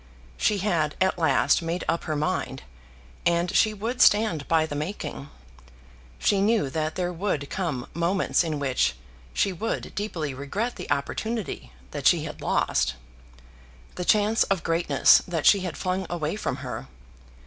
She had at last made up her mind, and she would stand by the making. She knew that there would come moments in which she would deeply regret the opportunity that she had lost, the chance of greatness that she had flung away from her.